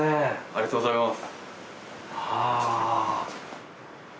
ありがとうございます。